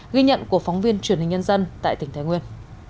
ghi nhận của phóng viên truyền hình nhân dân tại tỉnh thái nguyên